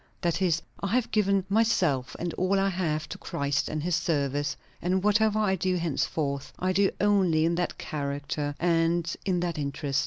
That is, I have given myself and all I have to Christ and his service; and whatever I do henceforth, I do only in that character and in that interest.